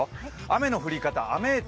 雨の降り方、雨ー